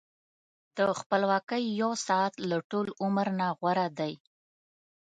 د خپلواکۍ یو ساعت له ټول عمر نه غوره دی.